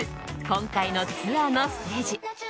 今回のツアーのステージ。